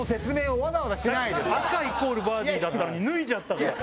赤イコールヴァーディーだったのに脱いじゃったから。